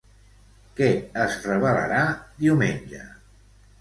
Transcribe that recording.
Què es revelarà, diumenge?